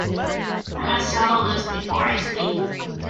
I must settle this before I sleep.